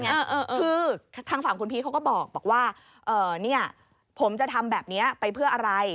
คือทางฝั่งคุณพีชเขาก็บอกว่าเนี่ยผมจะทำแบบนี้ไปเพื่ออะไร